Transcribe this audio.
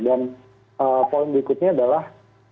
dan poin berikutnya adalah